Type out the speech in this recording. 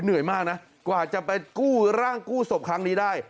เหนื่อยมากนะกว่าจะไปกู้ร่างกู้ศพครั้งนี้ได้